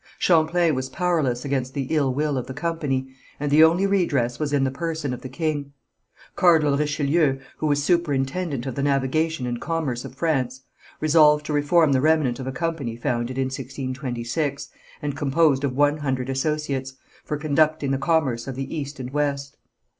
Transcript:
Champlain was powerless against the ill will of the company, and the only redress was in the person of the king. Cardinal Richelieu, who was superintendent of the navigation and commerce of France, resolved to reform the remnant of a company founded in 1626, and composed of one hundred associates, for conducting the commerce of the East and West.